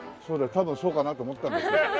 多分そうかなと思ったんですけど大体。